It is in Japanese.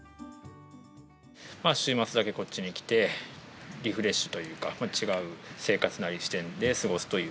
週末だけこっちに来て、リフレッシュというか、違う生活なり、視点で過ごすという。